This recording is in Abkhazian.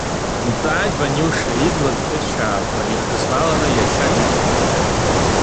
Дҵааит Ваниуша, ибла ҭҟьышаақәа иргызмалны иашьа дихәаԥшуа.